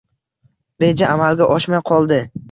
Reja amalga oshmay qolding